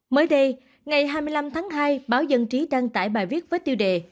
mới đây ngày hai mươi năm tháng hai báo dân trí đăng tải bài viết với tiêu đề